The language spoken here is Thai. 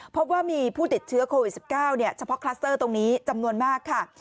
พบว่ามีผู้ติดเชื้อโควิด๑๙เฉพาะคลัสเตอร์ตรงนี้จำนวนมากค่ะ